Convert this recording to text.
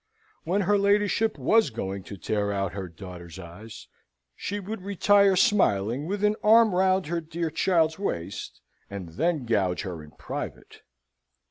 When her ladyship was going to tear out her daughter's eyes, she would retire smiling, with an arm round her dear child's waist, and then gouge her in private.